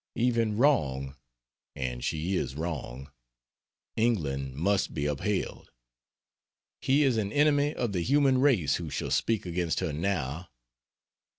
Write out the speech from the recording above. Even wrong and she is wrong England must be upheld. He is an enemy of the human race who shall speak against her now.